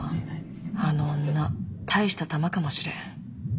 あの女大したタマかもしれん。